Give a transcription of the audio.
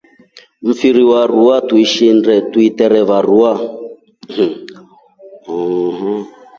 Mfiri wa mruwa tuishinda niterewa ruwa.